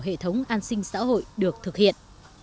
hệ thống an sinh xã hội được thực hiện